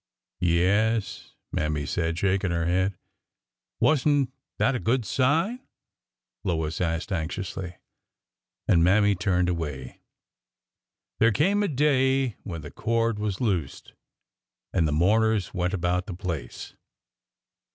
Yes," Mammy said, shaking her head. Was n't that a good sign ? Lois asked anxiously. And Mammy turned away. There came a day when the cord was loosed, — and the mourners went about the place.